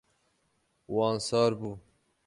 Wan sar bû.